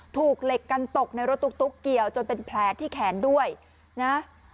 ถูกเหล็กกันตกในรถตุ๊กเกี่ยวจนเป็นแผลที่แขนด้วยนะ